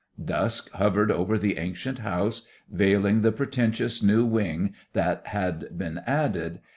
Dusk hovered over the ancient house, veiling the pretentious new wing that had been added.